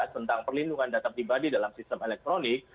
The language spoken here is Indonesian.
tentang perlindungan data pribadi dalam sistem elektronik